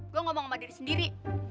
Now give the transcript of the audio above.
gue ngomong sama diri sendiri